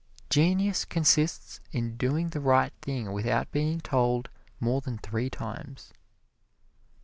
Genius consists in doing the right thing without being told more than three times.